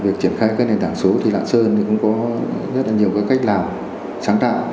việc triển khai các nền tảng số thì lạng sơn cũng có rất nhiều cách làm sáng tạo